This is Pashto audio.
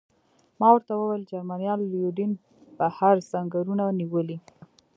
ما ورته وویل: جرمنیانو له یوډین بهر سنګرونه نیولي.